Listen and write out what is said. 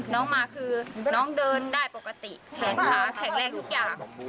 น้องมาคือน้องเดินได้ปกติแขนขาแข็งแรงทุกอย่าง